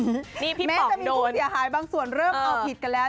พี่ป๋องโดนแม้จะมีภูเจียหายบางส่วนเริ่มเอาผิดกันแล้ว